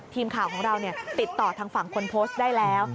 ทีมข่าวของเราติดต่อทางฝั่งคนโพสต์ได้แล้ว